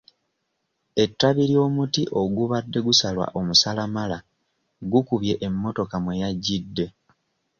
Ettabi ly'omuti ogubadde gusalwa omusalamala gukubye emmotoka mwe yajjidde.